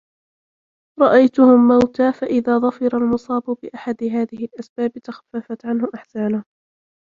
رَأَيْتُهُمْ مَوْتَى فَإِذَا ظَفِرَ الْمُصَابُ بِأَحَدِ هَذِهِ الْأَسْبَابِ تَخَفَّفَتْ عَنْهُ أَحْزَانُهُ